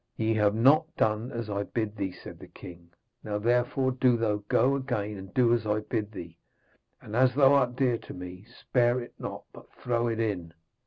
'Ye have not done as I bid thee,' said the king. 'Now, therefore, do thou go again and do as I bid thee; and as thou art dear to me, spare it not, but throw it in.'